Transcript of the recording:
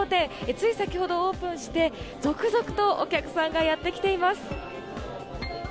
つい先ほどオープンして、続々とお客さんがやってきています。